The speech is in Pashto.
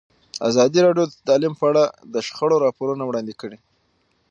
ازادي راډیو د تعلیم په اړه د شخړو راپورونه وړاندې کړي.